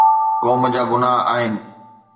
قوم جا گناهه آهن.